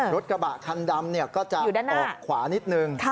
รถกระบะคันดำก็จะออกขวานิดนึง